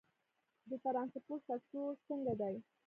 د ترانسپورت سکتور څنګه دی؟